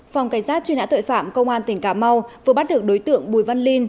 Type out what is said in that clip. phòng cảnh sát truy nã tội phạm công an tỉnh cà mau vừa bắt được đối tượng bùi văn linh